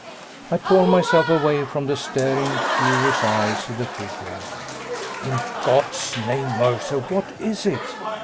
I tore myself away from the staring, curious eyes of the figure. "In God's name, Mercer, what is it?